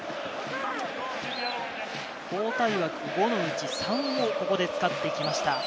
交代枠、５のうち３をここで使ってきました。